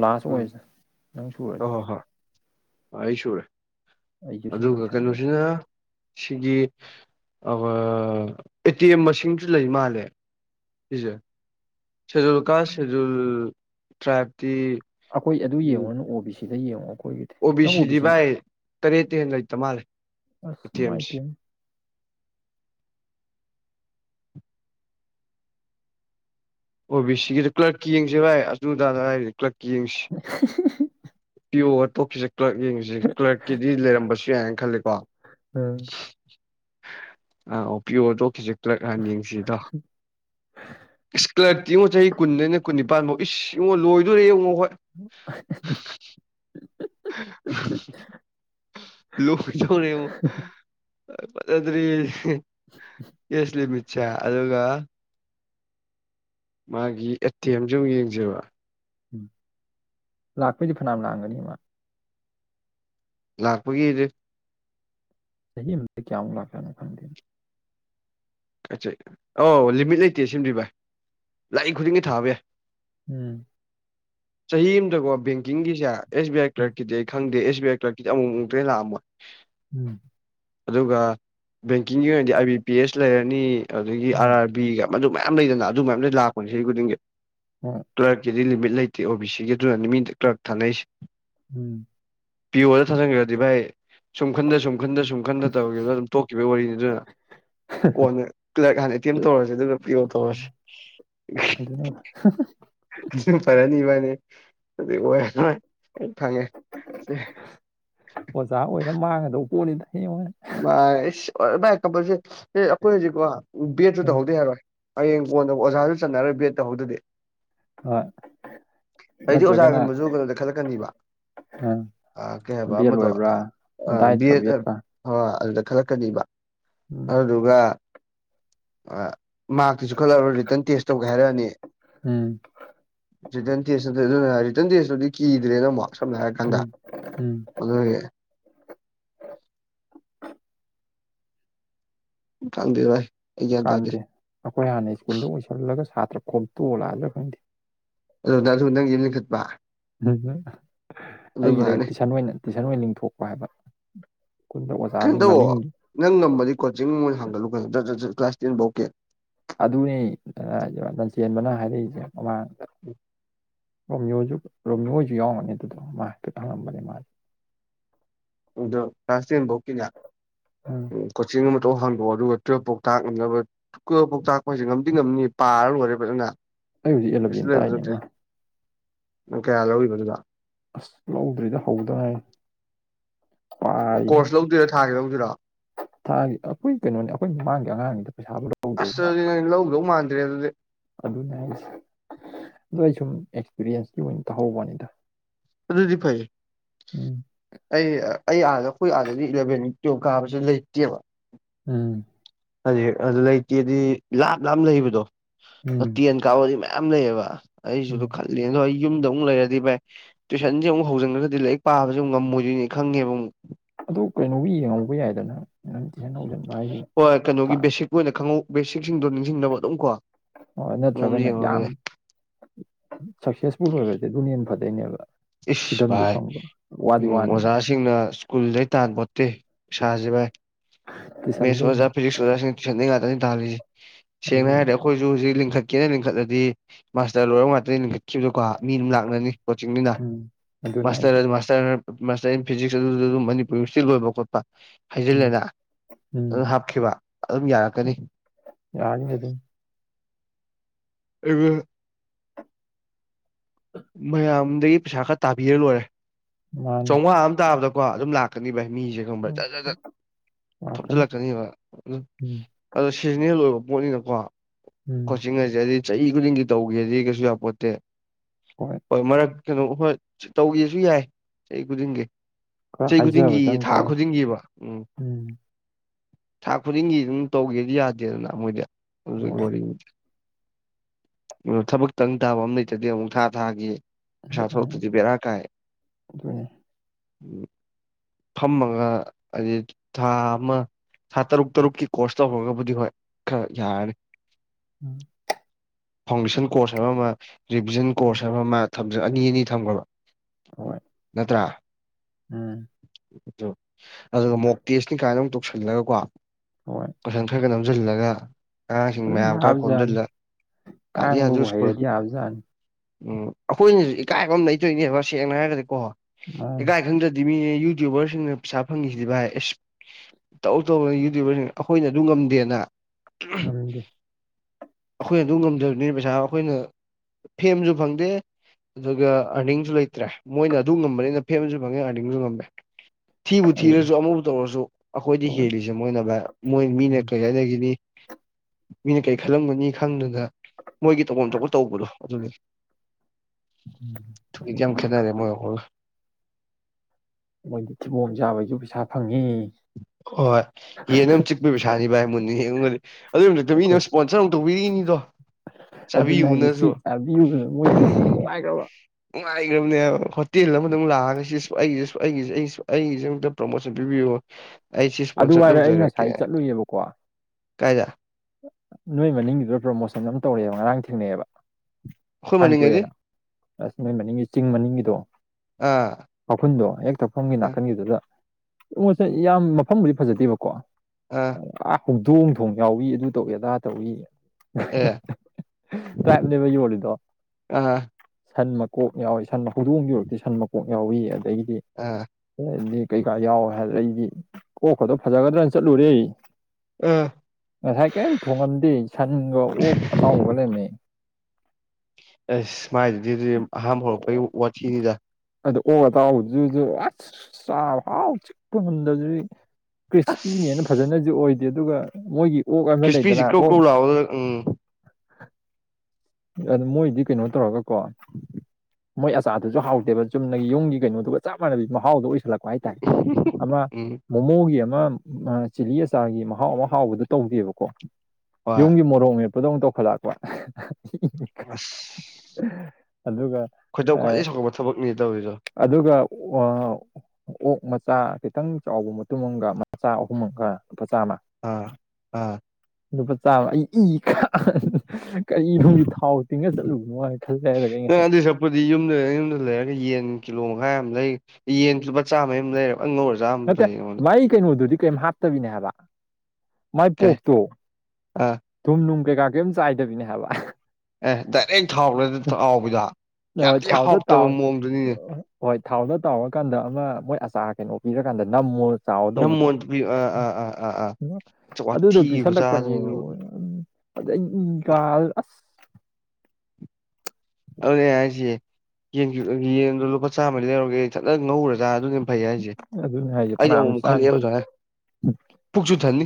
ꯂꯥꯁ ꯎꯝ ꯑꯣꯏꯔꯁꯦ ꯅꯪ ꯍꯣ ꯁꯨꯔꯗꯤ ꯍꯣ ꯍꯣꯏ ꯑꯩ ꯁꯨꯔꯦ ꯑꯩꯁꯨ ꯁꯤ ꯑꯗꯨꯒ ꯂꯣꯏꯁꯤꯟꯒ ꯀꯩꯅꯣꯁꯤꯅ ꯁꯤꯒꯤ ꯑꯗꯨꯒ ꯑꯦꯇꯦꯝ ꯃꯁꯤꯡꯁꯨ ꯂꯩ ꯃꯥꯜꯂꯦ ꯁꯤꯁꯦ ꯁꯦꯗꯨꯜ ꯀꯥꯥꯁ ꯁꯦꯗꯨꯜ ꯇ꯭ꯔꯥꯏꯞ ꯑꯩꯈꯣꯏ ꯑꯗꯨ ꯌꯦꯡꯉꯨꯔꯅꯨ ꯑꯣ ꯕꯤ ꯁꯤꯗ ꯌꯦꯡꯉꯣ ꯑꯩꯈꯣꯏꯒꯤ ꯑꯣ ꯕꯤ ꯁꯤꯗꯤ ꯚꯥꯏ ꯇꯔꯦꯠ ꯇꯩ ꯍꯦꯟ ꯂꯩꯇ ꯃꯥꯜꯂꯦ ꯑꯁ ꯃꯥꯏ ꯑꯦꯇꯦꯝꯁꯤ ꯄꯦꯝ ꯑꯣ ꯕꯤ ꯁꯤꯒꯤꯗ ꯀ꯭ꯂꯔꯛꯀꯤ ꯌꯦꯡꯁꯤ ꯚꯥꯏ ꯑꯗꯨꯗꯥ ꯂꯥꯏꯔꯤ ꯀ꯭ꯂꯔꯛꯀꯤ ꯌꯦꯡꯁꯤ [unintelligible] ꯄꯤ ꯑꯣꯒ ꯇꯣꯛꯈꯤꯁꯦ ꯀ꯭ꯂꯔꯛ ꯌꯦꯡꯈꯤꯁꯦ ꯀ꯭ꯂꯔꯀꯤꯗꯤ ꯂꯩꯔꯝꯕꯁꯨ ꯌꯥꯏꯅ ꯈꯜꯂꯤꯀꯣ ꯎꯝ ꯑ ꯑꯣ ꯄꯤꯑꯣ ꯇꯣꯛꯈꯤꯁꯦ ꯀ꯭ꯂꯔꯛ ꯍꯥꯟꯅ ꯌꯦꯡꯁꯤ ꯏꯇꯥꯎ ꯏꯁ ꯀ꯭ꯂꯔꯛꯇꯤꯉꯣ ꯆꯍꯤ ꯀꯨꯟꯗꯩꯅ ꯀꯨꯟꯅꯤꯄꯥꯟ ꯐꯧ ꯏꯁ ꯏꯉꯣ ꯂꯣꯏꯗꯣꯔꯦꯉꯣ ꯈꯣꯏ [inaudible] [unintelligible] ꯂꯣꯏꯗꯣꯔꯦꯉꯣ ꯐꯖꯗ꯭ꯔꯦꯍꯦ ꯑꯦꯁ ꯂꯤꯃꯤꯠꯁꯦ ꯑꯗꯨꯒ ꯃꯥꯒꯤ ꯑꯦꯇꯦꯝꯖꯨ ꯑꯃꯨꯛ ꯌꯦꯡꯁꯦꯕ ꯎꯝ ꯂꯥꯛꯄꯩꯗꯤ ꯐꯅꯌꯥꯝ ꯂꯥꯛꯑꯝꯒꯅꯤ ꯃꯥ ꯂꯥꯛꯄꯒꯤꯗꯤ ꯆꯍꯤ ꯑꯃꯥꯗ ꯀꯌꯥ ꯑꯃꯨ ꯂꯥꯛꯆꯥꯅꯣ ꯈꯪꯗꯦ ꯑꯦꯠꯆꯦ ꯑꯧ ꯂꯤꯃꯤꯠ ꯂꯩꯇꯦ ꯁꯤꯃꯗꯤ ꯚꯥꯏ ꯂꯥꯛꯏ ꯈꯨꯗꯤꯡꯒꯤ ꯊꯥꯕ ꯌꯥꯏ ꯎꯝ ꯆꯍꯤ ꯑꯃꯗꯀꯣ ꯕꯦꯡꯀꯤꯡꯒꯤꯁꯦ ꯑꯦꯁ ꯕꯤ ꯑꯥꯏ ꯎꯝ ꯀ꯭ꯂꯔꯛꯀꯤꯗꯤ ꯑꯩ ꯈꯪꯗꯦ ꯑꯦꯁ ꯕꯤ ꯑꯥꯏ ꯀ꯭ꯂꯔꯛ ꯀꯤꯗꯤ ꯑꯃꯨꯛ ꯑꯃꯨꯛꯇꯩ ꯍꯦꯟ ꯂꯥꯛꯑꯝꯃꯣꯏ ꯎꯝ ꯑꯗꯨꯒ ꯕꯦꯡꯀꯤꯡꯒꯤ ꯑꯣꯏꯅꯗꯤ ꯑꯥꯏ ꯕꯤ ꯄꯤ ꯑꯦꯁ ꯂꯩꯔꯅꯤ ꯑꯗꯨꯗꯒꯤ ꯎꯝ ꯑꯥꯔ ꯑꯥꯔ ꯕꯤꯒ ꯃꯗꯨ ꯃꯌꯥꯝ ꯂꯩꯗꯅ ꯑꯗꯨ ꯃꯌꯥꯝ ꯗꯩ ꯂꯥꯛꯄꯅꯤ ꯆꯍꯤ ꯈꯨꯗꯤꯡꯒꯤ ꯍꯣꯢ ꯀ꯭ꯂꯔꯛꯀꯤꯗꯤ ꯂꯤꯃꯤꯠ ꯂꯩꯇꯦ ꯑꯣ ꯕꯤ ꯁꯤꯒꯤ ꯑꯗꯨꯅ ꯃꯤꯅ ꯀ꯭ꯂꯔꯛ ꯊꯥꯅꯩꯁꯦ ꯎꯝ ꯄꯤꯑꯣꯗ ꯊꯥꯖꯤꯟꯈ꯭ꯔꯗꯤ ꯚꯥꯏ ꯁꯨꯝ ꯈꯟꯗ ꯁꯨꯝ ꯈꯟꯗ ꯁꯨꯝ ꯈꯟꯗ ꯇꯧꯈꯤꯕꯗ ꯑꯗꯨꯝ ꯇꯣꯛꯈꯤꯕꯩ ꯋꯥꯔꯤꯅꯤ ꯑꯗꯨꯅ ꯀꯣꯟꯅ ꯀ꯭ꯂꯔꯛ ꯍꯥꯟꯅ ꯑꯦꯇꯦꯝ ꯇꯧꯔꯁꯦ ꯑꯗꯨꯒ ꯄꯤꯑꯣ ꯇꯧꯔꯁꯦ [unintelligible] ꯑꯗꯨ ꯐꯔꯅꯤ ꯏꯕꯅꯤ ꯑꯗꯨ ꯑꯣꯏꯔꯔꯣꯢ ꯑꯩ ꯈꯪꯉꯦ ꯑꯣꯖꯥ ꯑꯣꯏꯔ ꯃꯥꯡꯉꯗꯧꯕ ꯄꯣꯠꯅꯤꯗ ꯍꯩꯌꯦꯡꯋꯥꯢ ꯚꯥꯏ ꯏꯁ ꯚꯥꯏ ꯀꯝꯄꯜꯁꯦ ꯑꯩꯈꯣꯏ ꯍꯧꯖꯤꯛꯀꯣ ꯕꯦꯠꯁꯨ ꯎꯝ ꯇꯧꯍꯧꯗ ꯌꯥꯔꯣꯏ ꯍꯌꯦꯡ ꯀꯣꯟꯅ ꯑꯣꯖꯥꯁꯨ ꯆꯠꯅꯔꯣꯏ ꯕꯦꯠ ꯇꯧꯍꯧꯗꯔꯗꯤ ꯍꯣꯏ ꯍꯧꯖꯤꯛꯇꯤ ꯑꯣꯖꯥ ꯅꯠꯇ꯭ꯔꯒꯅ ꯈꯟꯕꯁꯨ ꯀꯩꯅꯣꯗ ꯈꯜꯂꯛꯀꯅꯤꯕ ꯑꯥ ꯀꯩꯍꯥꯢꯕ ꯕꯦꯜ ꯑꯃꯗꯣ ꯑꯣꯏꯕ꯭ꯔꯥ ꯑ ꯗꯥꯏꯠꯀ ꯕꯦꯠ ꯕꯦꯠꯀ ꯍꯣ ꯑꯗꯨꯗ ꯈꯜꯂꯛꯀꯅꯤꯕ ꯎꯝ ꯑꯗꯨꯗꯨꯒ ꯃꯥꯔꯛꯇꯁꯨ ꯈꯜꯂꯛꯑꯔꯣꯏ ꯔꯤꯇꯔꯟ ꯇꯦꯁ ꯇꯧꯒꯦ ꯍꯥꯏꯔꯛꯑꯅꯤ ꯎꯝ ꯔꯤꯇꯟ ꯇꯦꯁ ꯅꯇꯦ ꯑꯗꯨꯅ ꯔꯤꯇꯟ ꯇꯦꯁꯇꯨꯗꯤ ꯀꯤꯗ꯭ꯔꯦꯅ ꯑꯃꯨꯛ ꯁꯝꯅ ꯍꯥꯏꯔ ꯎꯝ ꯀꯥꯟꯗ ꯎꯝ ꯑꯗꯨꯒꯤ ꯈꯪꯗꯦ ꯚꯥꯏ ꯑꯩ ꯒ꯭ꯌꯥꯟ ꯇꯥꯗꯦ ꯀꯥꯟꯗꯦ ꯑꯩꯈꯣꯏ ꯍꯥꯟꯅꯩ ꯁ꯭ꯀꯨꯜꯗ ꯑꯣꯏꯁꯜꯂꯒ ꯁꯥꯇ꯭ꯔ ꯈꯣꯝꯇꯣꯛꯑ ꯂꯥꯡꯑꯁꯤꯔ ꯈꯪꯗꯦ ꯑꯗꯨꯅ ꯑꯗꯨ ꯅꯪꯒꯤ ꯑꯃ ꯂꯤꯡꯈꯠꯄ ꯎꯝ ꯑꯗꯨꯝ ꯑꯩꯒꯤꯗ ꯐꯔꯅꯤ ꯇꯤꯁꯟ ꯑꯣꯏꯅ ꯇꯨꯏꯁꯟ ꯑꯣꯏꯅ ꯂꯤꯡꯊꯣꯛꯄ ꯍꯥꯏꯕ ꯁ꯭ꯀꯨꯜꯗ ꯀꯩꯅꯣ ꯑꯣꯖꯥꯒꯤ ꯇꯧ ꯃꯃꯤꯡꯒꯤ ꯅꯪ ꯉꯝꯃꯗꯤ ꯀꯣꯆꯤꯡ ꯑꯣꯏꯅ ꯍꯥꯡꯒꯠꯂꯨ ꯀ꯭ꯂꯥꯁ ꯇꯦꯟ ꯐꯧꯒꯤ ꯑꯗꯨꯅꯦ ꯂꯟꯆꯦꯟꯕꯅ ꯍꯥꯏꯔꯛꯏꯁꯦ ꯃꯃꯥꯡꯗ ꯔꯣꯃꯤꯌꯣꯁꯨ ꯔꯣꯃꯤꯌꯣꯍꯣꯏꯁꯨ ꯌꯥꯎꯔꯝꯒꯅꯤ ꯑꯗꯨꯗ ꯃꯥ ꯍꯥꯏꯐꯦꯠ ꯍꯪꯂꯝꯕꯅꯦ ꯃꯥꯁꯦ ꯑꯗꯣ ꯀ꯭ꯂꯥꯁ ꯇꯦꯟ ꯐꯧꯀꯤꯗ ꯎꯝ ꯀꯣꯆꯤꯡ ꯑꯃ ꯊꯣꯛ ꯍꯥꯡꯗꯣꯛꯑꯣ ꯑꯗꯨꯒ ꯇꯨꯌꯦꯞꯐꯥꯎ ꯇꯥꯛꯉꯝꯅꯕ ꯇꯨꯌꯦꯞꯐꯥꯎ ꯇꯥꯛꯄ ꯍꯥꯏꯁꯦ ꯉꯝꯗꯤ ꯉꯝꯅꯤ ꯄꯥꯔ ꯂꯣꯏꯔꯦ ꯐꯖꯟꯅ ꯑꯩ ꯍꯧꯖꯤꯛ ꯀꯩꯁꯨ ꯑꯦꯂꯚꯦꯟ ꯂꯩꯕ ꯇꯥꯏꯅꯦ ꯅꯠꯇꯦ ꯃꯥ ꯅꯪ ꯀꯌꯥ ꯂꯧꯔꯤꯕ ꯑꯗꯨꯗ ꯑꯁ ꯂꯧꯗ꯭ꯔꯤꯗ ꯍꯧꯗ ꯉꯥꯏꯔꯤ ꯄꯥꯔꯤꯅꯤ ꯀꯣꯔꯁ ꯂꯧꯗꯣꯏꯔꯥ ꯊꯥꯒꯤ ꯂꯧꯗꯣꯏꯔꯣ ꯊꯥꯒꯤ ꯑꯩꯈꯣꯏ ꯀꯩꯅꯣꯅꯦ ꯑꯩꯈꯣꯏ ꯃꯃꯥꯡꯒꯤ ꯑꯉꯥꯡꯉꯩꯗꯣ ꯄꯩꯁꯥ ꯂꯧ ꯑꯁ ꯑꯗꯨꯗꯤ ꯅꯪ ꯂꯧꯗꯧ ꯃꯥꯟꯗ꯭ꯔꯦ ꯑꯗꯨꯗꯤ ꯑꯗꯨꯅꯦ ꯍꯥꯏꯔꯤꯁꯦ ꯑꯗꯨ ꯑꯩ ꯁꯨꯝ ꯑꯦꯛꯁꯄꯤꯔꯤꯌꯦꯟꯁꯀꯤ ꯑꯣꯏꯅ ꯇꯥꯍꯧꯕꯩ ꯋꯥꯅꯤꯗ ꯑꯗꯨꯗꯤ ꯐꯩꯌꯦ ꯎꯝ ꯑꯩ ꯑꯩ ꯑꯥꯗ ꯑꯩꯈꯣꯏ ꯑꯥꯗꯗꯤ ꯏꯂꯚꯦꯜ ꯇꯨꯋꯦꯜꯕ ꯀꯥꯕꯁꯦ ꯂꯩꯇꯦꯕ ꯎꯝ ꯑꯗꯨ ꯂꯩꯇꯦꯗꯤ ꯂꯥꯞ ꯂꯥꯞ ꯂꯩꯕꯗꯣ ꯎꯝ ꯇꯦꯟ ꯀꯥꯕꯗꯤ ꯃꯌꯥꯝ ꯂꯩꯌꯦꯕ ꯑꯩꯁꯨ ꯑꯗꯨ ꯎꯝ ꯈꯜꯂꯤ ꯑꯗꯣ ꯑꯩ ꯌꯨꯝꯗ ꯑꯃꯨꯛ ꯂꯩꯔꯗꯤ ꯚꯥꯏ ꯇꯨꯏꯁꯟꯖꯦ ꯑꯃꯨꯛ ꯍꯧꯖꯤꯟꯒꯔꯗꯤ ꯂꯥꯏꯔꯤꯛ ꯄꯥꯕꯁꯨ ꯉꯝꯃꯣꯏꯗꯣꯏꯅꯤ ꯈꯪꯉꯦꯕ ꯑꯃꯨꯛ ꯑꯗꯨ ꯀꯩꯅꯣꯒꯤ ꯌꯦꯡꯍꯧꯕ ꯌꯥꯏꯗꯅ ꯅꯪ ꯇꯨꯏꯁꯟ ꯍꯧꯖꯤꯟꯕ ꯍꯥꯏꯁꯦ ꯍꯣꯏ ꯀꯩꯅꯣꯒꯤ ꯕꯦꯁꯤꯛ ꯑꯣꯏꯅ ꯈꯪꯍꯧ ꯕꯦꯁꯤꯛꯁꯤꯡꯗꯣ ꯅꯤꯡꯁꯤꯡꯅꯕ ꯑꯗꯨꯝ ꯀꯣ ꯍꯣꯏ ꯃꯑꯣꯡ ꯑꯃ ꯅꯠꯇ꯭ꯔꯒꯅ ꯌꯥꯝ ꯌꯦꯡꯉꯒꯅꯦ ꯁꯛꯁꯦꯁꯐꯨꯜ ꯑꯣꯏꯒꯔꯗꯤ ꯑꯗꯨꯅ ꯍꯦꯟ ꯐꯗꯣꯏꯅꯦꯕ [inaudible] ꯋꯥꯗꯤ ꯋꯥꯅꯤ ꯏꯁꯤꯡꯅ ꯁ꯭ꯀꯨꯜꯗꯩ ꯇꯥꯟꯄꯣꯠꯇꯦ ꯄꯩꯁꯥꯁꯦ ꯚꯥꯏ ꯃꯦꯠꯁ ꯀꯤꯁꯟꯗꯣꯏꯅꯤ ꯑꯣꯖꯥ ꯐꯤꯖꯤꯛꯁ ꯑꯣꯖꯥꯁꯤꯡ ꯇꯨꯏꯁꯟꯗꯩ ꯉꯥꯛꯇꯅꯤ ꯇꯥꯜꯂꯤꯁꯦ ꯁꯦꯡꯅ ꯑꯗꯨꯅꯦ ꯍꯥꯏꯔꯗꯤ ꯑꯈꯣꯏꯁꯨ ꯍꯧꯖꯤꯛ ꯂꯤꯡꯈꯠ ꯀꯦꯅ ꯂꯤꯡꯈꯠꯂꯗꯤ ꯃꯥꯁꯇꯔ ꯂꯣꯏꯔꯕ ꯉꯥꯛꯇꯅꯤ ꯂꯤꯡꯈꯠꯈꯤꯕꯗꯀꯣ ꯃꯤ ꯑꯗꯨꯝ ꯂꯥꯛ ꯀꯣꯆꯤꯡꯅꯤꯅ ꯎꯝ ꯑꯗꯨꯅ ꯑꯩꯁꯨ ꯃꯥꯁꯇꯔꯃꯥꯁꯇꯔ ꯃꯥꯁꯇꯔ ꯏꯟ ꯐꯤꯖꯤꯛꯁ ꯑꯗꯨꯗꯨꯗꯨ ꯃꯅꯤꯄꯨꯔ ꯁꯤ ꯂꯣꯏꯕ ꯈꯣꯠꯄ ꯎꯝ ꯍꯥꯏꯖꯤꯜꯂꯦꯅ ꯎꯝ ꯍꯥꯞꯈꯤꯕ ꯑꯗꯨꯝ ꯌꯥꯔꯛꯀꯅꯤ ꯌꯥꯅꯤ ꯑꯗꯨꯝ [inaudible] ꯃꯌꯥꯝꯗꯒꯤ ꯄꯩꯁꯥ ꯈꯔ ꯇꯥꯕꯤꯔ ꯂꯣꯏꯔꯦ ꯃꯥꯅꯤ ꯆꯧꯉꯥ ꯑꯃ ꯇꯥꯕꯗ ꯑꯗꯨꯝ ꯂꯥꯛꯀꯅꯤ ꯚꯥꯏ ꯃꯤꯁꯦ ꯈꯪꯕꯔꯥ ꯖꯠꯖꯠ ꯂꯥꯛꯀꯅꯤ ꯊꯣꯝꯖꯜꯂꯛꯀꯅꯤꯕ ꯎꯝ ꯑꯗꯨꯝ ꯁꯤꯖꯟꯅꯦꯜ ꯑꯣꯏꯕ ꯄꯣꯠꯅꯤꯅꯀꯣ ꯎꯝ ꯀꯣꯆꯤꯡ ꯍꯥꯏꯁꯦ ꯍꯥꯏꯗꯤ ꯆꯍꯤ ꯈꯨꯗꯤꯡꯒꯤ ꯇꯧꯒꯦꯗꯤ ꯀꯩꯁꯨ ꯌꯥꯄꯣꯠꯇꯦ ꯍꯣꯏ ꯍꯣꯏ ꯃꯔꯛ ꯀꯩꯅꯣ ꯍꯣꯏ ꯇꯧꯒꯦꯁꯨ ꯌꯥꯏ ꯆꯍꯤ ꯈꯨꯗꯤꯡꯒꯤ ꯈꯔ ꯆꯍꯤ ꯍꯥꯏꯖꯕ ꯈꯨꯗꯤꯡꯒꯤꯌꯦ ꯆꯪ ꯊꯥ ꯇꯥꯔꯦ ꯈꯨꯗꯤꯡꯒꯤꯕ ꯎꯝ ꯊꯥ ꯈꯨꯗꯤꯡꯒꯤ ꯑꯗꯨꯝ ꯇꯧꯒꯦꯗꯤ ꯌꯥꯗꯦꯗꯅ ꯃꯣꯏꯗꯤ ꯑꯗꯨꯒꯤ ꯍꯣꯏ ꯋꯥꯔꯤꯅꯤꯗ ꯊꯕꯛꯇꯪ ꯇꯥꯕ ꯑꯃ ꯂꯩꯇꯔꯗꯤ ꯑꯃꯨꯛ ꯊꯥ ꯊꯥꯒꯤ ꯄꯩꯁꯥ ꯎꯝ ꯊꯣꯛꯇꯔꯗꯤ ꯚꯦꯔꯥ ꯀꯥꯏ ꯑꯗꯨꯅꯤ ꯐꯝꯃꯒ ꯍꯥꯏꯗꯤ ꯊꯥ ꯑꯃ ꯁꯥ ꯇꯔꯨꯛ ꯇꯔꯨꯛꯀꯤ ꯀꯣꯔꯁ ꯇꯧꯍꯧꯔꯒꯕꯨꯗꯤ ꯍꯣꯏ ꯈꯔ ꯌꯥꯔꯅꯤ ꯎꯝ ꯐꯥꯎꯟꯗꯦꯁꯟ ꯀꯣꯔꯁ ꯍꯥꯏꯕ ꯑꯃ ꯔꯤꯚꯤꯖꯟ ꯀꯣꯔꯁ ꯍꯥꯏꯕ ꯑꯃ ꯑꯅꯤ ꯑꯅꯤ ꯊꯝꯈ꯭ꯔꯕ ꯍꯣꯏ ꯅꯠꯇ꯭ꯔꯥ ꯎꯝ ꯑꯗꯨꯒ ꯃꯣꯛ ꯇꯦꯁꯅꯤ ꯀꯥꯏꯅ ꯑꯃꯨꯛ ꯇꯧꯁꯜꯂꯒ ꯀꯣ ꯍꯣꯏ ꯀꯣꯏꯁꯟ ꯈꯔ ꯈꯔ ꯅꯝꯖꯜꯂꯒ ꯑꯉꯥꯡꯁꯤꯡ ꯑꯗꯨꯝ ꯃꯌꯥꯝ ꯈꯔ ꯌꯥꯕꯖꯥꯠꯅꯤ ꯈꯣꯝꯁꯤꯜꯂ ꯌꯥꯗꯤ ꯌꯥꯗꯨ ꯏꯁ꯭ꯀꯨꯜ ꯌꯥꯕ ꯖꯥꯠꯅꯤ ꯎꯝ ꯑꯈꯣꯏꯅꯖꯨ ꯏꯀꯥꯏꯕ ꯑꯃ ꯂꯩ ꯇꯧꯏꯅꯦꯕ ꯁꯦꯡꯅ ꯍꯥꯏꯔꯒꯗꯤꯀꯣ ꯃꯥꯅꯤ ꯏꯀꯥꯏ ꯈꯪꯗꯔ ꯗꯤꯃꯤ ꯌꯨꯇ꯭ꯌꯨꯕꯔꯁꯤꯡꯅ ꯄꯩꯁꯥ ꯐꯪꯉꯤꯁꯤꯗꯤ ꯚꯥꯏ ꯏꯁ ꯇꯧ ꯇꯧꯗꯅ ꯌꯨꯇ꯭ꯌꯨꯕꯔꯁꯤꯡꯅ ꯑꯩꯈꯣꯏꯅ ꯑꯗꯨ ꯉꯝꯗꯦꯅ ꯉꯝꯗꯦ ꯑꯈꯣꯏꯅ ꯑꯗꯨ ꯉꯝꯗꯕꯅꯤ ꯄꯩꯁꯥ ꯑꯈꯣꯏꯅ ꯐꯦꯝꯖꯨ ꯐꯪꯗꯦ ꯑꯗꯨꯒ ꯑꯥꯔꯅꯤꯡꯖꯨ ꯂꯩꯇ꯭ꯔꯦ ꯃꯣꯏꯅ ꯑꯗꯨ ꯉꯝꯕꯅꯤꯅ ꯐꯦꯝꯖꯨ ꯐꯪꯉꯦ ꯑꯥꯔꯅꯤꯡꯖꯨ ꯉꯝꯃꯦ ꯊꯤꯕꯨ ꯑꯗꯨꯅꯤ ꯊꯤꯔꯖꯨ ꯑꯃꯕꯨ ꯇꯧꯔꯁꯨ ꯑꯩꯈꯣꯏꯗꯩ ꯍꯣꯏ ꯍꯦꯜꯂꯤꯖꯦ ꯃꯣꯏꯅ ꯚꯥꯏ ꯃꯣꯏ ꯃꯤꯅ ꯑꯗꯨ ꯀꯔꯤ ꯍꯥꯏꯅꯒꯤꯅꯤ ꯃꯤꯅ ꯀꯔꯤ ꯈꯜꯂꯝꯒꯅꯤ ꯈꯪꯗꯅ ꯃꯣꯏꯒꯤ ꯇꯧꯐꯝ ꯊꯣꯛꯄ ꯇꯧꯕꯗꯣ ꯑꯗꯨꯒꯤ [inaudible] ꯑꯗꯨꯒꯤꯗꯤ ꯌꯥꯝ ꯈꯦꯠꯅꯔꯦ ꯃꯣꯏꯒ ꯑꯩꯈꯣꯏꯒ ꯃꯣꯏꯗꯤ ꯊꯤꯕꯣꯡ ꯆꯥꯕꯩꯖꯨ ꯄꯩꯁꯥ ꯐꯪꯉꯤ ꯍꯣꯏ ꯌꯦꯟ ꯑꯃ ꯆꯤꯛꯄ ꯄꯩꯁꯥꯅꯤ ꯚꯥꯏ ꯃꯨꯟꯅ ꯌꯦꯡꯉꯨꯒꯗꯤ ꯑꯗꯨꯒꯤ ꯃꯊꯛꯇ ꯃꯤꯅ ꯑꯩꯈꯣꯏ ꯑꯃꯨꯛ ꯏꯁꯄꯣꯟꯁꯔ ꯑꯃꯨꯛ ꯇꯧꯕꯤꯔꯤꯅꯤꯗꯣ ꯑꯗꯨꯅ ꯍꯥꯏꯗꯤ ꯁꯤ ꯆꯥꯕꯤꯌꯨꯅꯁꯨ ꯆꯥꯕꯤꯌꯨꯗꯅ ꯃꯣꯏ ꯄꯨꯟꯁꯤ ꯅꯨꯡꯉꯥꯏꯒ꯭ꯔꯕ ꯅꯨꯡꯉꯥꯏꯒ꯭ꯔꯕꯅꯦꯕ ꯍꯣꯇꯦꯜ ꯑꯃꯗꯪ ꯂꯥꯛꯑꯒ ꯁꯤꯁꯨ ꯑꯩꯒꯤ ꯑꯩꯒꯤꯁꯦ ꯑꯩ ꯑꯩꯒꯤꯖꯨ ꯑꯝꯇ ꯄ꯭ꯔꯣꯃꯣꯁꯟ ꯄꯤꯕꯤꯌꯨ ꯑꯩ ꯁꯤ ꯑꯗꯨ ꯏꯁꯄꯣꯟꯁꯔ ꯍꯥꯏꯔ ꯑꯩ ꯇꯧꯖꯔꯒꯦ ꯉꯁꯥꯏ ꯆꯠꯂꯨꯏꯑꯕꯀꯣ ꯀꯥꯏꯗ ꯅꯣꯏ ꯃꯅꯤꯡꯗꯨꯗ ꯄ꯭ꯔꯣꯃꯣꯁꯟ ꯑꯃ ꯇꯧꯋꯦꯕ ꯉꯔꯥꯡ ꯊꯦꯡꯅꯩꯑꯕ ꯑꯩꯈꯣꯏ ꯃꯅꯤꯡꯒꯤꯗꯤ ꯍꯥꯡꯇꯣꯛꯑꯦꯅ ꯑꯁ ꯅꯣꯏ ꯃꯅꯤꯡꯒꯤ ꯆꯤꯡ ꯃꯅꯤꯡꯒꯤꯗꯣ ꯑꯥ ꯋꯥꯈꯨꯟꯗꯣ ꯍꯦꯛ ꯊꯛꯐꯝꯒꯤ ꯑ ꯅꯥꯀꯟꯒꯤꯗꯨꯗ ꯎꯁ ꯌꯥꯝ ꯃꯐꯝꯕꯨꯗꯤ ꯐꯖꯗꯦꯕꯀꯣ ꯑ ꯑꯥ ꯍꯧꯗꯣꯡ ꯊꯣꯡ ꯌꯥꯎꯏ ꯑꯗꯨ ꯇꯧꯏ ꯑꯗꯥ ꯇꯧꯏ ꯑꯦ ꯇꯔꯥꯏꯞ ꯅꯦꯕ ꯌꯣꯜꯂꯤꯗꯣ ꯑꯥ ꯁꯟ ꯃꯀꯣꯛ ꯌꯥꯎꯏꯤ ꯁꯟ ꯍꯧꯗꯣꯡ [unintelligible] ꯁꯟ ꯃꯀꯣꯛ ꯌꯥꯎꯏꯤ ꯑꯗꯒꯤꯗꯤ ꯑ ꯗꯤ ꯀꯩꯀꯥ ꯌꯥꯎꯋꯦ ꯍꯥꯏꯕꯗꯨꯗ ꯑꯩꯗꯤ ꯀꯣꯛꯀꯗꯣ ꯐꯖꯒꯗ꯭ꯔꯅ ꯆꯠꯂꯨꯔꯦ [unintelligible] ꯉꯁꯥꯏ ꯀꯩꯝ ꯊꯣꯡꯉꯝꯗꯦ ꯁꯟꯒ ꯑꯣꯛ ꯑꯇꯥꯎꯕꯒ ꯂꯩꯔꯝꯃꯦ ꯑꯁ ꯃꯥꯏꯗꯨꯗꯤ ꯑꯗꯨꯗꯤ ꯑꯍꯥꯟꯕ ꯍꯧꯔꯛꯄꯒꯤ ꯋꯥꯊꯤꯅꯤꯗ ꯑꯗꯨ ꯑꯣꯛ ꯑꯇꯥꯎꯕꯗꯨꯁꯨ ꯑꯁ ꯆꯥꯕ ꯍꯥꯎ ꯆꯤꯛꯄ ꯃꯨꯟꯗꯕꯖꯤꯗꯤ ꯑꯁ ꯀ꯭ꯔꯤꯁꯄꯤꯅꯦꯅ ꯐꯖꯅꯖꯨ ꯑꯣꯏꯗꯦ ꯑꯗꯨꯒ ꯃꯣꯏꯒꯤ ꯑꯣꯛ ꯀ꯭ꯔꯤꯁꯄꯤꯖꯤ ꯀ꯭ꯔꯧ ꯀ꯭ꯔꯧ ꯂꯥꯎꯔꯒ ꯎꯝ ꯑꯗꯨ ꯃꯣꯏꯗꯤ ꯀꯩꯅꯣ ꯇꯧꯔꯒꯀꯣ ꯃꯣꯏ ꯑꯆꯥꯔꯗꯨꯖꯨ ꯍꯥꯎꯇꯦꯕ ꯆꯨꯝꯅꯒꯤ ꯌꯨꯝꯒꯤ ꯀꯩꯅꯣꯗꯨꯒ ꯆꯞ ꯃꯥꯟꯅꯕꯤ ꯃꯍꯥꯎꯗꯣ ꯑꯣꯏꯁꯤꯜꯂꯛ [unintelligible] ꯇꯥꯏ ꯑꯃ ꯎꯝ ꯃꯣꯃꯣꯒꯤ ꯑꯃ ꯆꯤꯂꯤ ꯑꯆꯥꯔꯒꯤ ꯃꯍꯥꯎ ꯑꯃ ꯍꯥꯎꯕꯗꯨ ꯇꯧꯗꯦꯕꯀꯣ ꯍꯣꯏ ꯌꯨꯝꯒꯤ ꯃꯣꯔꯣꯛ ꯃꯦꯠꯄꯗꯧ ꯇꯧꯈꯠꯂꯛꯄ ꯑꯁ ꯑꯗꯨꯒ ꯈꯣꯏꯗꯧ ꯈ꯭ꯋꯥꯏꯗꯒꯤ ꯁꯥꯎꯒꯠꯄ ꯊꯕꯛꯅꯤ ꯇꯧꯔꯤꯗꯣ ꯑꯗꯨꯒ [unintelligible] ꯑꯣꯛ ꯃꯆꯥ ꯈꯤꯇꯪ ꯆꯥꯎꯕ ꯃꯇꯨꯝ ꯑꯝꯒ ꯃꯆꯥ ꯑꯍꯨꯝ ꯑꯝꯒ ꯂꯨꯄꯥ ꯆꯥꯝꯃ ꯑ ꯑꯥ ꯂꯨꯄꯥ ꯆꯥꯝꯃ ꯑꯩ ꯏ ꯀꯥ ꯀꯔꯤꯅꯨꯡꯒꯤ ꯊꯥꯎ ꯇꯤꯡꯉ ꯆꯠꯂꯨꯕꯅꯣ ꯍꯥꯏꯅ [unintelligible] ꯑꯩ ꯉꯁꯥꯏ ꯨꯄꯨꯗꯤ ꯌꯨꯝꯗ ꯌꯨꯝꯗ ꯂꯩꯔꯒ ꯌꯦꯟ ꯀꯤꯂꯣ ꯈꯥꯏ ꯑꯃ ꯂꯩ ꯌꯦꯟ ꯂꯨꯄꯥ ꯆꯥꯝꯃꯩ ꯑꯃ ꯂꯩꯔ ꯐꯖꯅ ꯉꯧꯔꯥ ꯅꯠꯇꯦ ꯃꯥꯏ ꯀꯩꯅꯣꯗꯨꯗꯤ ꯀꯔꯤꯝ ꯍꯥꯞꯇꯕꯤꯅꯦ ꯍꯥꯏꯕ ꯃꯥꯏ ꯀꯩ ꯄꯣꯛꯇꯣ ꯑꯥ ꯊꯨꯝ ꯅꯨꯡ ꯀꯩꯀꯥ ꯀꯌꯤꯝ ꯆꯥꯏꯗꯕꯤꯅꯦ ꯍꯥꯏꯕ ꯑꯦ ꯗꯥꯏꯔꯦꯛ [unintelligible] ꯍꯣꯏ ꯌꯥꯝꯊꯤ ꯊꯥꯎꯗ ꯍꯥꯎꯇꯕ ꯃꯑꯣꯡꯗꯨꯅꯤꯅꯦ ꯇꯥꯎꯔ ꯍꯣꯏ ꯊꯥꯎꯗ ꯇꯧꯔꯀꯥꯟꯗ ꯑꯃ ꯃꯣꯏ ꯑꯆꯥꯔ ꯀꯩꯅꯣ ꯄꯤꯔꯀꯥꯟꯗ ꯅꯝꯃꯣ ꯆꯥꯎꯗꯧꯕꯗꯣ ꯅꯝꯃꯣꯟ ꯑꯥ ꯑꯥ ꯑꯥ ꯑꯥ ꯑꯥ [unintelligible] ꯑꯗꯨꯗꯣ ꯋꯥꯊꯤꯒꯤ ꯄꯤꯁꯜꯂꯛꯄꯅꯦꯃꯦ ꯈꯨꯆꯥꯗꯨ [unintelligible] ꯑꯗꯩ ꯏ ꯀꯗꯥꯅ ꯑꯁ ꯑꯗꯨꯅꯦ ꯍꯥꯏꯁꯦ ꯌꯦ ꯌꯦꯟꯗꯣ ꯂꯨꯄꯥ ꯆꯥꯝꯃꯒꯤ ꯂꯩꯔꯨꯒꯦ ꯏꯊꯟꯇꯅ ꯉꯧꯔꯒ ꯆꯥ ꯑꯗꯨ ꯐꯩ ꯍꯥꯏꯁꯦ ꯑꯗꯨꯅꯦ ꯍꯥꯏꯁꯦ ꯑꯩꯗꯤ ꯑꯃꯨꯛ ꯐꯅꯌꯥꯝ ꯑꯃꯨꯛ ꯆꯥꯅꯤ ꯈꯜꯂꯦꯕ ꯑꯗꯨꯃꯥꯏꯅ ꯄꯨꯛꯁꯨꯨ ꯊꯟꯅꯤ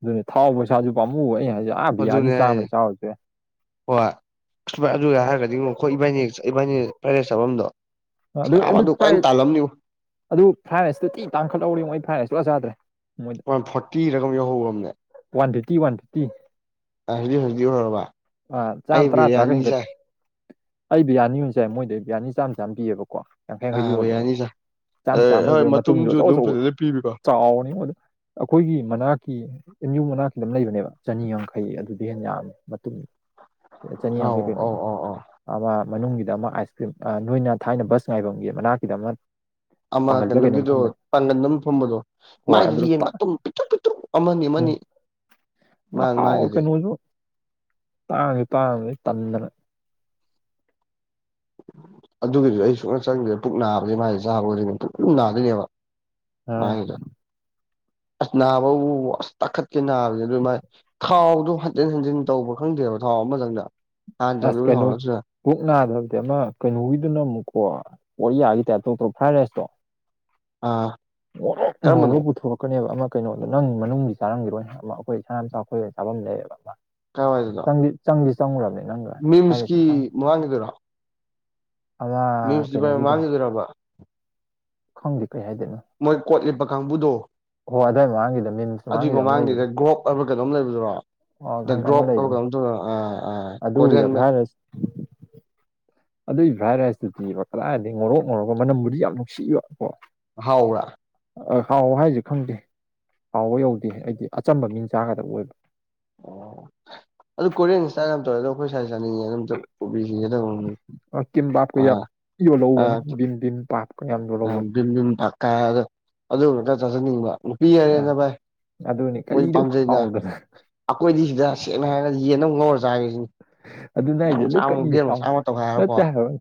ꯑꯗꯨꯅꯦ ꯊꯥꯎ ꯄꯩꯁꯥꯁꯨ ꯄꯥꯝꯃꯨꯕ ꯑꯩꯩꯅ ꯍꯥꯏꯁꯦ ꯑꯥ ꯕꯤꯔꯌꯥꯅꯤ ꯑꯗꯨꯅꯦ ꯍꯥꯏꯁꯦ ꯆꯥꯝꯃꯩ ꯆꯥꯎꯔꯁꯨ ꯌꯥꯏ ꯍꯣꯏ ꯍꯣꯏ ꯑꯗꯨꯒꯤ ꯍꯥꯏꯔꯒꯗꯤ ꯑꯩꯈꯣꯏ ꯏꯕꯥꯏꯅꯤ ꯏꯕꯥꯅꯤ ꯐ꯭ꯔꯥꯏ ꯔꯥꯏꯁ ꯆꯥꯐꯝꯗꯣ ꯅꯕ ꯑꯗꯨ ꯐꯥꯖꯅꯥ ꯇꯥꯜꯂꯝꯅꯤꯕꯣ ꯑꯗꯨ ꯐ꯭ꯔꯥꯏꯇꯨ ꯊꯤꯅ ꯇꯥꯡꯈꯠꯍꯧꯔꯦꯉꯣ ꯑꯩ ꯐ꯭ꯔꯥꯏ ꯔꯥꯏꯁ ꯁꯨꯡꯆꯥ ꯆꯥꯗ꯭ꯔꯦ ꯃꯣꯏꯗ ꯋꯥꯟ ꯐꯣꯔꯇꯤꯔꯥ ꯀꯩꯅꯣꯝ ꯌꯧꯍꯧ ꯔꯝꯅꯦ ꯋꯥꯟ ꯐꯤꯐꯇꯤ ꯋꯥꯟ ꯐꯤꯐꯇꯤ [unintelligible] ꯑꯣꯏꯔꯕ ꯑꯥ ꯆꯥꯝ ꯇꯔꯥ ꯇꯔꯥꯒꯩ ꯍꯦꯟꯒꯠ ꯑꯩ ꯕꯤꯔꯌꯥꯅꯤ ꯑꯣꯏ ꯆꯥꯏ ꯃꯣꯏꯗꯩ ꯕꯤꯔꯌꯥꯅꯤ ꯆꯥꯝ ꯆꯥꯝ ꯄꯤꯌꯦꯕꯀꯣ ꯌꯥꯡꯈꯩ ꯌꯥꯡꯈꯩ ꯑꯥ ꯌꯣꯜꯂꯦꯕ ꯕꯤꯔꯌꯥꯅꯤ ꯆꯥꯏ ꯆꯥꯝ ꯑꯗꯩ ꯆꯥꯝꯃꯩꯗꯣ ꯍꯣꯏ ꯃꯇꯨꯝꯁꯨ ꯑꯆꯧ ꯑꯗꯨꯝ ꯑꯆꯧꯕ ꯐꯖꯅ ꯄꯤꯕꯀꯣ ꯆꯥꯎꯕꯅꯤꯉꯣ ꯑꯗꯨꯝ ꯑꯩꯈꯣꯏꯒꯤ ꯃꯅꯥꯛꯀꯤ ꯑꯦꯝ ꯌꯨ ꯃꯅꯥꯛꯀꯤꯗ ꯑꯃ ꯂꯩꯕꯅꯦꯕ ꯆꯅꯤ ꯌꯥꯡꯈꯩ ꯑꯗꯨꯗꯩ ꯍꯦꯟ ꯌꯥꯝꯃꯦ ꯃꯇꯨꯝ ꯆꯅꯤ ꯑꯧ ꯌꯥꯡꯈꯩ ꯑꯧ ꯀꯩꯅꯣꯗꯣ ꯑꯧ ꯑꯧ ꯑꯃ ꯃꯅꯨꯡꯒꯤꯗ ꯑꯃ ꯑꯥꯏꯁ ꯀ꯭ꯔꯤꯝ ꯅꯣꯏꯅ ꯊꯥꯏꯅ ꯕꯁ ꯉꯥꯏꯐꯝꯒꯤ ꯃꯅꯥꯛꯀꯤꯗ ꯑꯃ ꯑꯃ ꯄꯥꯡꯒꯜꯗ ꯀꯩꯅꯣꯝ ꯀꯩꯅꯣꯒꯤꯗꯣ ꯐꯝꯕꯅꯦ ꯄꯥꯡꯒꯟ ꯑꯃ ꯐꯝꯕꯗꯣ ꯍꯣꯏ ꯑꯗꯨ ꯃꯥꯏꯗꯨꯗ ꯃꯇꯨꯝ ꯄꯤꯛꯇꯨꯛ ꯄꯤꯛꯇꯨꯛ ꯑꯃꯅꯤ ꯑꯃꯅꯤ ꯗꯣ ꯃꯥ ꯃꯥꯒꯤꯗꯤ ꯍꯥꯎꯕꯅꯤ ꯇꯥꯡ ꯇꯥꯡ ꯗꯨ ꯇꯟꯗꯅ ꯑꯗꯨꯒꯤꯗꯣ ꯑꯩ ꯁꯨꯡ ꯆꯪꯗꯦ ꯄꯨꯛ ꯅꯥꯕꯗꯩ ꯃꯥꯏꯗꯣ ꯆꯥꯕꯈꯨꯗꯤꯡ ꯄꯨꯛ ꯅꯥꯗꯣꯏꯅꯦꯕ ꯑꯥ ꯃꯥꯒꯗꯣ ꯑꯁ ꯅꯥꯕꯕꯨ ꯑꯁ ꯇꯥꯈꯠꯀꯩ ꯅꯥꯕꯁꯤꯗꯤ ꯑꯗꯨ ꯃꯥꯥꯏ ꯊꯥꯎꯗꯣ ꯍꯟꯖꯤꯟ ꯍꯟꯖꯤꯟ ꯇꯧꯕ꯭ꯔ ꯈꯪꯗꯦꯕ ꯊꯥꯎ ꯑꯃꯇꯪꯗ ꯑꯁ ꯀꯩꯅꯣ [unintelligible] ꯑꯃ ꯀꯩꯅꯣꯒꯤꯗꯨꯅ ꯑꯃꯨꯛꯀꯣ ꯀꯣꯔꯤꯌꯥꯒꯤ ꯇꯥꯏꯞ ꯇꯧ ꯇꯧ ꯐ꯭ꯔꯥꯏ ꯔꯥꯏꯁꯇꯣ ꯑ ꯉꯧꯔꯣꯛ ꯀꯔꯝꯕꯅꯣ ꯉꯧꯔ ꯄꯨꯊꯣꯔꯛ ꯀꯅꯦꯕ ꯑꯃ ꯀꯩꯅꯣꯗꯣ ꯅꯪ ꯃꯅꯨꯡꯒꯤ ꯆꯥꯔꯝꯈꯤꯔꯣꯏ ꯑꯃ ꯑꯩꯈꯣꯏ ꯁꯅꯥꯃꯆꯥ ꯑꯩꯈꯣꯏ ꯍꯦꯛ ꯆꯥꯐꯝ ꯂꯩꯌꯦꯕ ꯑꯃ ꯀꯥꯏꯋꯥꯏꯗꯅꯣ ꯆꯪꯗ ꯆꯪꯗ ꯆꯪꯉꯨꯔꯕꯅꯦ ꯅꯪꯒ ꯐ꯭ꯔꯥꯏ ꯃꯤꯝꯁꯀꯤ ꯔꯥꯏꯁꯇꯤ ꯆꯥꯅꯤ ꯃꯃꯥꯡꯒꯤꯗꯨꯔꯣ ꯑꯃ ꯃꯤꯝꯁꯀꯤ ꯀꯩꯅꯣꯒꯤꯗꯣ ꯃꯃꯥꯡꯒꯤꯗꯨꯔꯕ ꯈꯪꯗꯦ ꯀꯩ ꯍꯥꯏꯗꯣꯏꯅꯣ ꯃꯣꯏ ꯀꯣꯠꯂꯤꯠꯄ ꯀꯥꯡꯕꯨꯗꯣ ꯍꯣ ꯑꯗꯨꯋꯥꯏ ꯃꯃꯥꯡꯒꯤꯗ ꯃꯤꯝꯁ ꯑꯗꯨꯏ ꯃꯃꯥꯡꯒꯤꯗ ꯒ꯭ꯔꯣꯞ ꯍꯥꯏꯕ ꯀꯩꯅꯣꯝ ꯂꯩꯕꯗꯨꯔꯣ ꯑꯣ ꯈꯪ ꯑꯃ ꯂꯩ [unintelligible] ꯑꯗꯨꯒꯤ ꯀꯣꯔꯤꯌꯟ ꯐ꯭ꯔꯥꯏ ꯔꯥꯏꯁ ꯑꯗꯨꯏꯒꯤ ꯐ꯭ꯔꯥꯏ ꯔꯥꯏꯁꯇꯨꯗꯤꯕ ꯀꯗꯥꯏꯗꯒꯤ ꯉꯧꯔꯣꯛ ꯉꯧꯔꯒ ꯃꯅꯝꯕꯨꯗꯤ ꯌꯥꯝ ꯅꯨꯡꯁꯤꯕ ꯀꯣ ꯍꯥꯎꯕ꯭ꯔꯥ ꯍꯥꯎꯕ ꯍꯥꯏꯁꯦ ꯈꯪꯗꯦ ꯍꯥꯎꯕ ꯌꯧꯗꯦ ꯑꯩꯗꯤ ꯑꯆꯝꯕ ꯃꯤꯅ ꯆꯥꯒꯗꯕ ꯑꯣꯏꯕ ꯑꯣ ꯑꯗꯨ ꯀꯣꯔꯤꯌꯥꯟ ꯏꯁꯇꯥꯏꯋꯜ ꯌꯥꯝ ꯇꯧꯋꯦ ꯑꯗꯣ ꯑꯩꯈꯣꯏ ꯁꯥꯏ ꯆꯅꯤꯡꯉꯦ ꯑꯗꯨꯝ ꯑꯗꯣ ꯄꯨꯕꯤꯁꯤꯔ ꯇꯧꯕꯅꯦ ꯃꯥ [unintelligible] ꯇꯤꯗꯤꯝ ꯄꯥꯛꯇꯣ ꯌꯥꯝ ꯌꯣꯜꯍꯧꯕꯅꯤ ꯕꯤꯟ ꯅꯨꯡ ꯄꯥꯀꯥ ꯑꯗ ꯑꯗꯨ ꯈꯔ ꯆꯥꯖꯅꯤꯡꯕ ꯅꯨꯄꯤ ꯑꯥ ꯍꯥꯏꯔꯦꯅ ꯚꯥꯏ ꯑꯗꯨꯅꯤ ꯃꯣꯏꯗꯤ ꯀꯔꯤꯗꯕꯨ ꯄꯥꯝꯖꯩꯅ ꯍꯥꯎꯗꯅ ꯑꯩꯈꯣꯏꯗꯤ ꯁꯤꯗ ꯁꯦꯡꯅ ꯍꯥꯏꯔꯒꯗꯤ ꯌꯦꯟ ꯑꯃ ꯉꯧꯔꯒ ꯆꯒꯦ ꯁꯤꯅꯤ ꯑꯗꯨꯅ ꯍꯥꯏꯁꯦ ꯑꯗꯨ ꯀꯔꯤ ꯍꯥꯎ ꯇꯧꯈꯥꯏꯔꯒꯀꯣ ꯅꯠꯇꯦ ꯍꯥꯏꯕ ꯎꯝ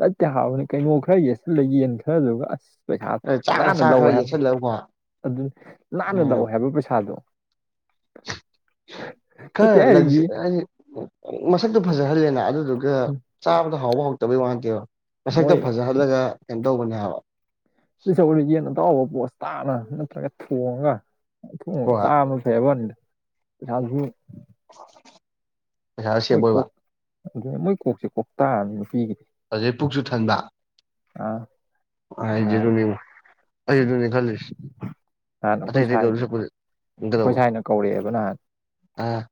ꯅꯠꯇꯦ ꯍꯥꯏꯕ ꯀꯩꯅꯣ ꯈꯔ ꯌꯦꯠꯁꯤꯜꯂ ꯌꯦꯟ ꯈꯔꯗꯨꯒ ꯑꯁ ꯄꯩꯁꯥ ꯆꯥꯛ ꯅꯥꯟꯅ ꯃꯆꯥ ꯂꯧꯋꯦ ꯈꯔ ꯍꯥꯏꯕ ꯌꯦꯠꯁꯜꯂꯒꯀꯣ ꯑꯗꯨ ꯅꯥꯟꯅ ꯂꯧꯋꯦ ꯎꯝ ꯍꯥꯏꯕ ꯄꯩꯁꯥꯗꯣ ꯅꯠꯇꯦ ꯈꯔ ꯂꯛꯖꯥ ꯍꯥꯏꯔꯤ ꯍꯥꯏꯗꯤ ꯃꯁꯛꯇꯣ ꯐꯖꯍꯜꯂꯦꯅ ꯑꯗꯨꯗꯨꯒꯥ ꯆꯕ ꯍꯥꯎꯕ ꯍꯥꯎꯇꯕꯩ ꯋꯥꯅꯇꯦꯕ ꯃꯣꯏ ꯃꯁꯛꯇ‌ꯣ ꯐꯖꯍꯜꯂꯒ ꯀꯩꯅꯣ ꯇꯧꯕꯅꯦ ꯍꯥꯏꯕ ꯌꯦꯟ ꯑꯇꯥꯎꯕ ꯄꯣꯠꯁ ꯇꯥꯅ ꯅꯠꯇ꯭ꯔꯒ ꯊꯣꯡꯉꯒ ꯑꯊꯣꯡ ꯍꯣꯏ ꯆꯥꯕ ꯐꯩ ꯍꯥꯏꯕꯥ ꯋꯥꯅꯤꯗ ꯄꯩꯁꯥꯗꯨꯁꯨ [unintelligible] ꯄꯩꯁꯥ ꯁꯦꯞ ꯃꯣꯏ ꯑꯣꯏꯕ ꯀꯣꯛ ꯑꯗꯨ ꯃꯣꯏ ꯀꯣꯛꯁꯦ ꯀꯣꯛ ꯇꯥ ꯑꯝꯅꯤ ꯅꯨꯄꯤꯒꯤ ꯑꯗꯩꯩ ꯄꯨꯛꯁꯨ ꯊꯟꯕ ꯅꯍꯥꯟ [unintelligible] ꯑꯩ ꯑꯗꯨꯅꯦ ꯈꯜꯂꯤꯁ‌ꯦ ꯅꯍꯥꯟ ꯑꯩꯈꯣꯏ ꯁꯥꯏꯅ ꯑꯩꯈꯣꯏ ꯀꯩꯗꯧꯕ ꯁꯥꯏꯅ ꯀꯧꯔꯛꯑꯦꯕ ꯅꯍꯥꯟ꯫ ꯑ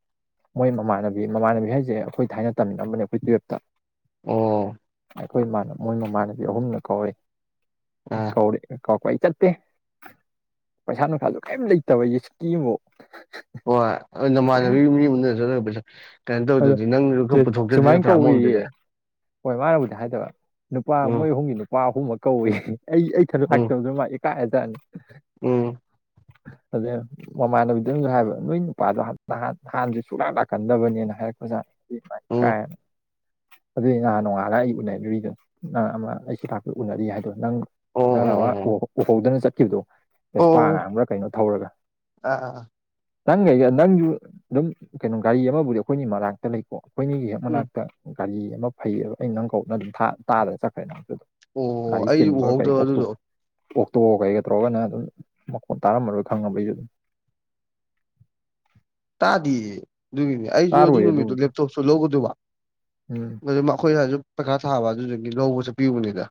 ꯃꯣꯏ ꯃꯃꯥꯟꯅꯕꯤ ꯃꯃꯥꯟꯅꯕꯤ ꯍꯥꯏꯖ‌ꯦ ꯑꯩꯈꯣꯏ ꯊꯥꯏꯅ ꯇꯝꯃꯤꯟꯅꯔꯝꯕꯅꯦ ꯑꯩꯈꯣꯏ ꯇꯨꯌꯦꯜꯞꯇ꯫ ꯑꯣ ꯑꯩꯈꯣꯏꯃꯥꯟ ꯃꯣꯏ ꯃꯃꯥꯟꯅꯕꯤ ꯑꯍꯨꯝꯅ ꯀꯧꯔꯦ ꯑ ꯀꯧꯔ ꯀꯧꯔꯛꯄ ꯑꯩ ꯆꯠꯇꯦ ꯄꯩꯁꯥ ꯅꯨꯡꯁꯥꯁꯨ ꯀꯔꯤꯝ ꯂꯩꯇꯕ ꯑꯩꯁꯦ ꯁꯤꯀꯤ ꯑꯝꯕꯨꯛ꯫ ꯍꯣꯏ ꯅꯃꯥꯟꯅꯕꯤ ꯃꯤ ꯎꯅ ꯆꯠꯂ ꯄꯩꯁꯥ ꯀꯩꯅꯣ ꯑꯗꯣ ꯇꯧꯗ꯭ꯔꯗꯤ ꯅꯪꯖꯨ ꯈꯔ ꯄꯨꯊꯣꯛꯇ꯭ꯔꯗꯤ ꯁꯨꯃꯥꯏꯅ ꯅꯠꯇ꯭ꯔ ꯑꯃꯑꯣꯝꯗꯗꯤ꯫ ꯀꯧꯏꯌꯦ ꯍꯣꯏ ꯃꯥꯅꯕꯨꯗꯤ ꯍꯥꯏꯗꯕ ꯅꯨꯄꯥ ꯎꯝ ꯃꯣꯏ ꯑꯍꯨꯝꯒꯤ ꯅꯨ ꯄꯥ ꯑꯍꯨꯝꯃꯛ ꯀꯧꯋꯦ ꯑꯩ ꯑꯩꯏꯊꯟ ꯎꯝ ꯂꯥꯛꯇꯕꯗꯨ ꯃꯥ ꯏꯀꯥꯏꯔꯖꯥꯠꯅꯦ꯫ ꯎꯝ ꯑꯗꯨꯗꯩ ꯃꯃꯥꯟꯅꯕꯤꯗꯨꯅꯖꯨ ꯍꯥꯏꯕ ꯅꯣꯏ ꯅꯨꯄꯥꯗꯣ ꯍꯥꯞꯇ ꯍꯥꯟꯅꯖꯨ ꯁꯨꯛꯂꯥꯛ ꯂꯥꯛꯀꯟꯗꯕꯅꯦꯅ꯫ ꯍꯥꯏꯔꯛꯄꯖꯥꯅꯦ ꯑꯗꯨꯏ ꯃꯥ ꯎꯝ ꯏꯀꯥꯏ ꯑꯗꯨꯏꯅꯦ ꯉꯍꯥꯟ ꯅꯣꯡꯉꯥꯜꯂꯒ ꯑꯩ ꯎꯅꯔꯨꯏꯗꯣ ꯅꯪ ꯑꯃ ꯑꯩꯁꯤ ꯂꯥꯛ ꯄꯗꯥ ꯎꯅꯔꯤ ꯍꯥꯏꯗꯣ꯫ ꯅꯪ ꯑꯣ ꯅꯪꯅ ꯑꯣ ꯑꯃ ꯑꯣ ꯑꯣ ꯎꯍꯧ ꯎꯍꯧꯗꯅ ꯆꯠꯈꯤꯕꯗꯣ꯫ ꯚꯦꯁꯄꯥ ꯑꯣ ꯑꯉꯥꯡꯕꯔꯥ ꯀꯩꯅꯣ ꯊꯧꯔꯒ꯫ ꯑꯥ ꯑꯥ ꯅꯪꯒ ꯑꯩꯒ ꯅꯪꯁꯨ ꯑꯗꯨꯝ ꯀꯩꯅꯣ ꯒꯥꯔꯤ ꯑꯃꯕꯨꯗꯤ ꯑꯩꯈꯣꯏꯅꯤ ꯃꯔꯥꯛꯇ ꯂꯩꯀꯣ ꯑꯩꯈꯣꯏꯅꯤꯒꯤ ꯍꯦꯛ ꯎꯝ ꯃꯅꯥꯛꯇ ꯒꯥꯔꯤ ꯑꯃ ꯐꯩꯌꯦꯕ ꯑꯩꯩꯅ ꯅꯪ ꯀꯧ ꯅꯪ ꯑꯗꯨꯝ ꯊꯥ ꯇꯥꯗꯅ ꯆꯠꯈ꯭ꯔꯦ [unintelligible] ꯑꯣ ꯒꯥꯔꯤ ꯑꯩꯁꯨ ꯆꯦꯟꯕꯒ ꯀꯩ ꯎꯍꯧꯗꯕ ꯑꯣꯛ ꯇꯣ ꯑꯗꯨꯗꯣ ꯑꯣꯛꯇꯣ ꯀꯩꯒ ꯇꯧꯔꯒ ꯅꯪ ꯑꯗꯨꯝ ꯃꯈꯣꯟ ꯇꯥꯔꯝꯃꯔꯣꯏ ꯈꯪꯉꯕ ꯑꯩꯁꯨ ꯑꯗꯨꯝ ꯇꯥꯗꯤꯌꯦ ꯑꯗꯨꯒꯤꯅꯦ ꯑꯩꯁꯨ ꯑꯗꯨ ꯇꯥꯔꯣꯏ ꯅꯨꯃꯤꯠꯇꯣ ꯑꯗꯨꯕꯨꯗꯤ ꯂꯦꯞꯇꯣꯞꯁꯨ ꯂꯧꯒꯗꯧꯕ ꯎꯝ ꯑꯗꯨ ꯃ ꯑꯈꯣꯏ ꯁꯥꯏꯁꯨ ꯄꯩꯈꯥ ꯊꯥꯕ ꯑꯗꯨꯗꯨꯒꯤ ꯂꯧꯕ ꯆꯠꯄꯤꯔꯨꯕꯅꯤꯗ